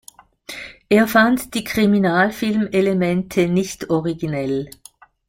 Er fand die Kriminalfilm-Elemente nicht originell.